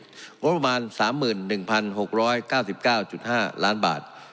งบประมาณ๓๑๖๙๙๕ล้านบาท